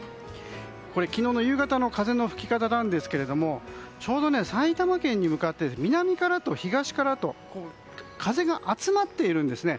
昨日の夕方の風の吹き方なんですがちょうど埼玉県に向かって南からと東からと風が集まっているんですね。